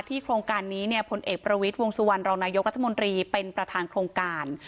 โครงการนี้เนี่ยพลเอกประวิทย์วงสุวรรณรองนายกรัฐมนตรีเป็นประธานโครงการ